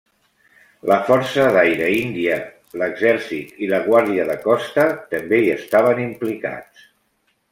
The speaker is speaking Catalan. La Força d'Aire índia, l'Exèrcit i la Guàrdia de Costa també hi estaven implicats.